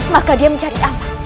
maka dia mencari amat